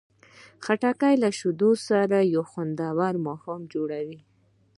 خټکی له شیدو سره یو خوندور ماښام جوړوي.